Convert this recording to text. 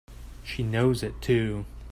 She knows it too!